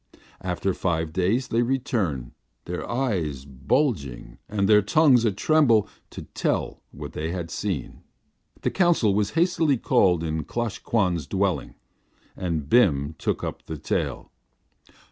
After five days they returned, their eyes bulging and their tongues a tremble to tell what they had seen. The council was hastily called in Klosh Kwan's dwelling, and Bim took up the tale.